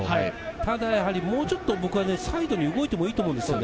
ただもうちょっと僕はサイドに動いてもいいと思うんですよね。